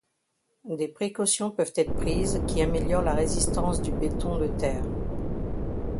Des précautions peuvent être prises qui améliorent la résistance du béton de terre.